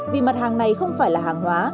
vì mặt hàng này không phải là hàng hóa